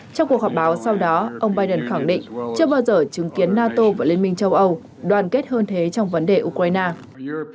trong cuộc họp báo sau đó ông biden khẳng định chưa bao giờ chứng kiến nato và liên minh châu âu đoàn kết hơn thế trong vấn đề ukraine